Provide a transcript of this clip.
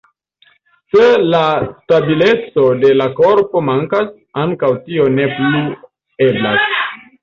Se la stabileco de la korpo mankas, ankaŭ tio ne plu eblas.